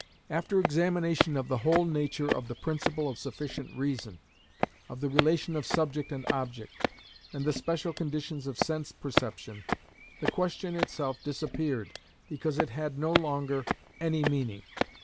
After examination of the whole nature of the principle of sufficient reason, of the relation of subject and object, and the special conditions of sense perception, the question itself disappeared because it had no longer any meaning.